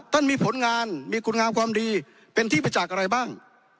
ท่านมีผลงานมีคุณงามความดีเป็นที่ประจักษ์อะไรบ้าง